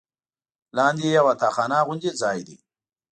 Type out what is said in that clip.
لاندې یوه تاخانه غوندې ځای دی.